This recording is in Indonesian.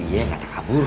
iya gak tak kabur